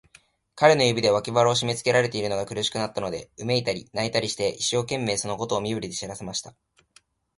彼の指で、脇腹をしめつけられているのが苦しくなったので、うめいたり、泣いたりして、一生懸命、そのことを身振りで知らせました。